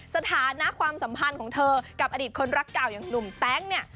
สถานะความสัมพันธ์ของเธอกับอดีตคนรักเก่าอย่างหนุ่มแต๊งเนี่ย